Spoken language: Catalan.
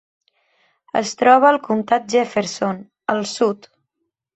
Es troba al comtat Jefferson, al sud.